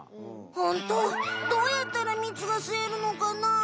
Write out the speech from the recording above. ホントどうやったらみつがすえるのかなあ？